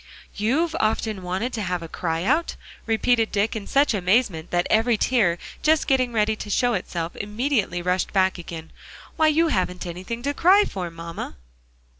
"You've often wanted to have a cry out?" repeated Dick, in such amazement that every tear just getting ready to show itself immediately rushed back again. "Why, you haven't anything to cry for, mamma."